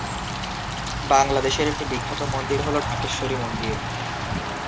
বাংলাদেশের একটি বিখ্যাত মন্দির হল ঢাকেশ্বরী মন্দির।